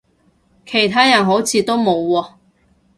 其他人好似都冇喎